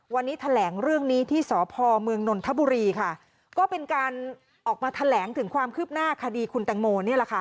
วันนี้แถลงเรื่องนี้ที่สพเมืองนนทบุรีค่ะก็เป็นการออกมาแถลงถึงความคืบหน้าคดีคุณแตงโมนี่แหละค่ะ